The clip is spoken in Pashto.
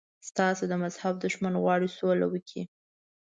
ستاسو د مذهب دښمن غواړي سوله وکړي.